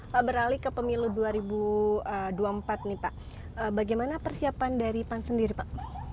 pak beralih ke pemilu dua ribu dua puluh empat nih pak bagaimana persiapan dari pan sendiri pak